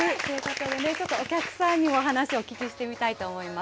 ちょっとお客さんにもお話をお聞きしてみたいと思います。